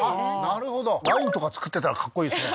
なるほどワインとか造ってたらかっこいいですね